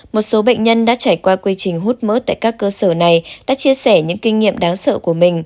một số bệnh nhân đã trải qua quy trình hút mỡ tại các cơ sở này đã chia sẻ những kinh nghiệm đáng sợ của mình